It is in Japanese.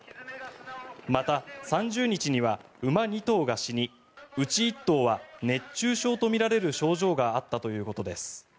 また、３０日には馬２頭が死にうち１頭は熱中症とみられる症状があったということです。